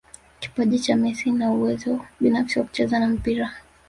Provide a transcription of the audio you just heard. kipaji cha Messi na uwezo binafsi wa kucheza na mpira